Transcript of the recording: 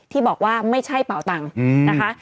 ที่บอกว่าไม่ใช่เป่าตังค์นะคะ